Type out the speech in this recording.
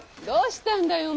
どうしたんだ